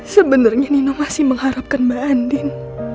sebenarnya nino masih mengharapkan mbak andin